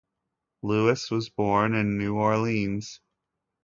Lewis was born in New Orleans.